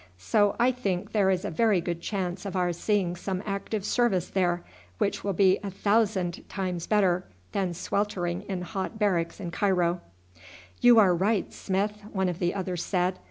So I think there is a very good chance of our seeing some active service there, which will be a thousand times better than sweltering in hot barracks in Cairo." "Right you are, Smith," one of the others said.